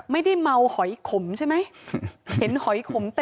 ไม่ได้เมาหอยขมใช่ไหม